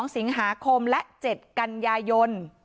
๓๑๓๓๓๗๓๘๓๙๒๒สิงหาคมและ๗กัญญายนต์